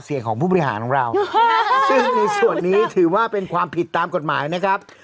ของผู้บริหารของเราซึ่งในส่วนนี้ถือว่าเป็นความผิดตามกฎหมายนะครับ